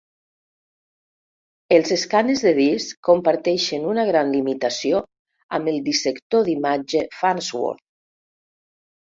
Els escàners de disc comparteixen una gran limitació amb el dissector d'imatge Farnsworth.